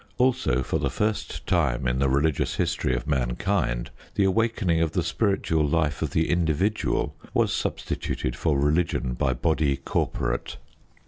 Also, for the first time in the religious history of mankind, the awakening of the spiritual life of the individual was substituted for religion by body corporate.